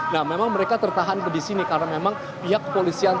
nah memang mereka tertahan di sini karena memang pihak kepolisian